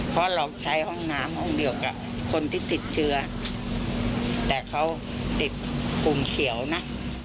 เพราะเราใช้ห้องน้ำห้องเดียวกับคนที่ติดเชื้อแต่เขาเด็กกลุ่มเขียวนะ